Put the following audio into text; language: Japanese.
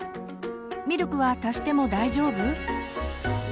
「ミルクは足しても大丈夫？」。